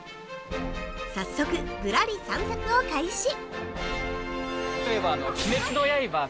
早速、ぶらり散策を開始！